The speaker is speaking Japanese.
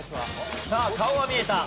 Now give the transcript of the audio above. さあ顔は見えた。